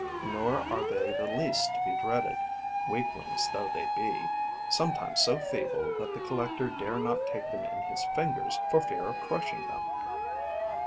Nor are they the least to be dreaded, weaklings though they be, sometimes so feeble that the collector dare not take them in his fingers for fear of crushing them.